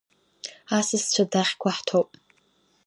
Асасцәа дахьқәа ҳҭоуп.